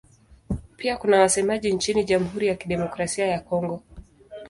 Pia kuna wasemaji nchini Jamhuri ya Kidemokrasia ya Kongo.